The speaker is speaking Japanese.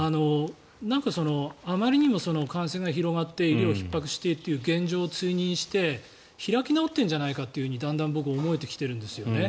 あまりにも感染が広がって医療がひっ迫しているという現状を追認して開き直ってるんじゃないかとだんだん僕思えてきてるんですよね。